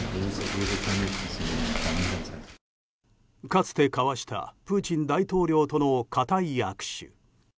かつて交わしたプーチン大統領との固い握手。